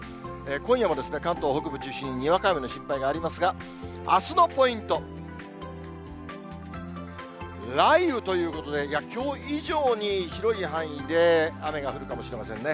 今夜も関東北部中心ににわか雨の心配がありますが、あすのポイント、雷雨ということで、きょう以上に広い範囲で雨が降るかもしれませんね。